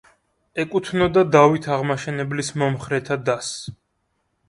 ეკუთვნოდა დავით აღმაშენებლის მომხრეთა დასს.